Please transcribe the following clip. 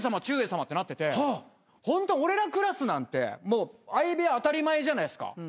「ちゅうえいさま」ってなってて俺らクラスなんてもう相部屋当たり前じゃないですか。